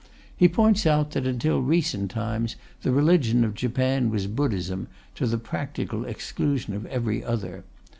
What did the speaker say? He points out that, until recent times, the religion of Japan was Buddhism, to the practical exclusion of every other.